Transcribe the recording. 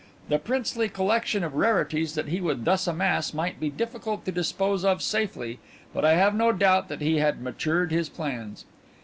The princely collection of rarities that he would thus amass might be difficult to dispose of safely but I have no doubt that he had matured his plans.